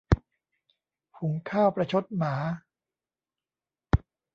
หุงข้าวประชดหมา